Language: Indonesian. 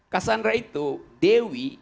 cassandra itu dewi